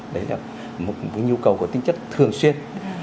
đấy là một nhu cầu có tính chất thường xuyên